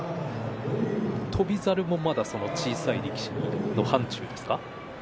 翔猿もまだ小さな力士の範ちゅうですか。